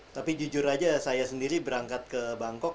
tapi jujur aja saya sendiri berangkat ke bangkok